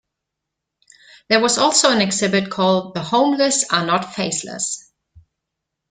There was also an exhibit called "The Homeless are not Faceless".